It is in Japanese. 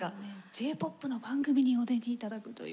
Ｊ−ＰＯＰの番組にお出に頂くという。